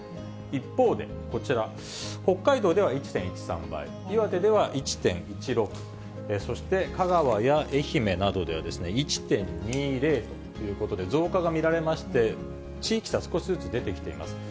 一方でこちら、北海道では１．１３倍、岩手では１．１６、そして香川や愛媛などでは、１．２０ということで、増加が見られまして、地域差、少しずつ出てきています。